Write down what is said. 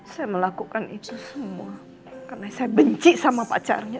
saya melakukan itu semua karena saya benci sama pacarnya